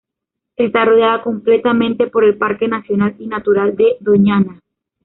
Está rodeada completamente por el Parque nacional y natural de Doñana.